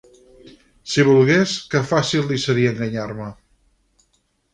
Si volgués, que fàcil li seria enganyar-me!